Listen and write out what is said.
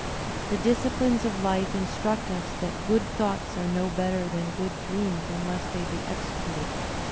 The disciplines of life instruct us that '"good thoughts are no better than good dreams unless they be executed."